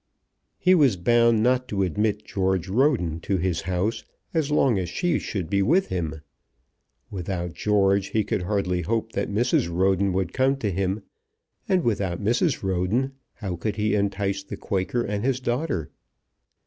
He was bound not to admit George Roden to his house as long as she should be with him. Without George he could hardly hope that Mrs. Roden would come to him, and without Mrs. Roden how could he entice the Quaker and his daughter?